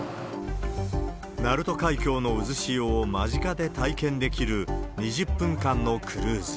鳴門海峡のうずしおを間近で体験できる、２０分間のクルーズ。